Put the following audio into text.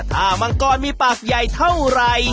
ถ้ามังกรมีปากใหญ่เท่าไร